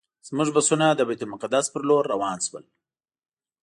زموږ بسونه د بیت المقدس پر لور روان شول.